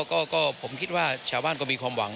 ก็ผมคิดว่าชาวบ้านก็มีความหวัง